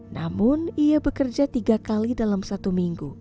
namun ia bekerja tiga kali dalam satu minggu